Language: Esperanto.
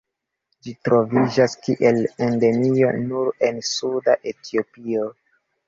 Ĝi troviĝas kiel endemio nur en suda Etiopio.